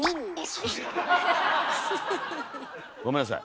ごめんなさい。